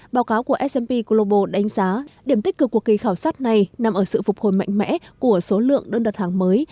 báo cáo của s p global đánh giá điểm tích cực của kỳ khảo sát này nằm ở sự phục hồi mạnh mẽ của số lượng đơn đặt hàng mới